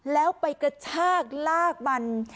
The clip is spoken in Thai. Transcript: แล้วไปกระชากลากมัน